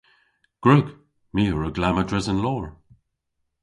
Gwrug. My a wrug lamma dres an loor.